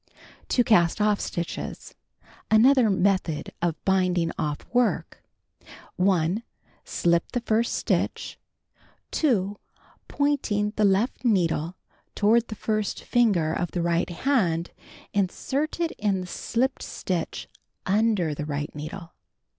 TO CAST OFF STITCHES (Another method of binding; off work) 1. Slip the first stitch. 2. Pointing the left needle toward the first finger of the right hand, insert it in the slipped stitch under the right needle.